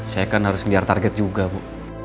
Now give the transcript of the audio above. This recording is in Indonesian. saya kan harus ngejar target juga bu